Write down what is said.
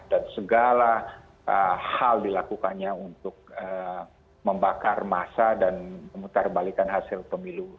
dan segala hal dilakukannya untuk membakar masa dan memutarbalikan hasil pemilu